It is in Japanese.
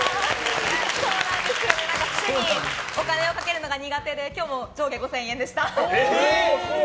服にお金をかけるのが苦手で今日も上下５０００円でした。